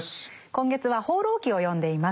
今月は「放浪記」を読んでいます。